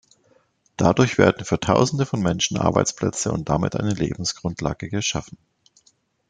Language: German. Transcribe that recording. Dadurch werden für Tausende von Menschen Arbeitsplätze und damit eine Lebensgrundlage geschaffen.